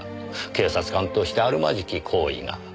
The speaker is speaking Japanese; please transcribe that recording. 「警察官としてあるまじき行為が」。